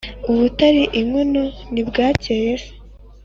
ubutari inkoko ntibwakeye se,